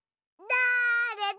だれだ？